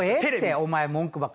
お前文句ばっか。